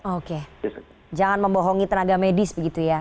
oke jangan membohongi tenaga medis begitu ya